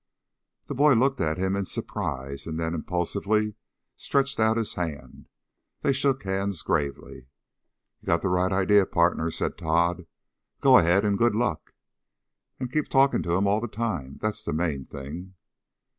The boy looked at him in surprise and then impulsively stretched out his hand. They shook hands gravely. "You got the right idea, pardner," said Tod. "Go ahead and good luck! And keep talking to him all the time. That's the main thing!"